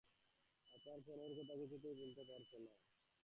আমার পণের কথা কিছুতেই ভুলতে পারছ না।